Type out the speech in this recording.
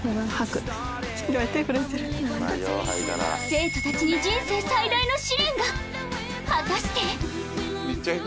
生徒達に人生最大の試練が果たして？